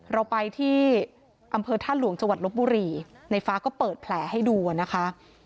เราไปที่อำเภอท่าหลวงจังหวัดลบบุรีในฟ้าก็เปิดแผลให้ดูนะคะ